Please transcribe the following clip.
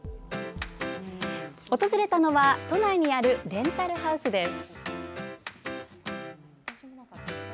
訪れたのは都内にあるレンタルハウスです。